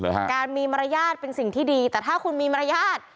การมีมารยาทเป็นสิ่งที่ดีแต่ถ้าคุณมีมารยาท